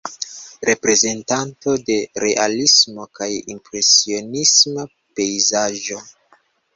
Reprezentanto de realismo kaj impresionisma pejzaĝo.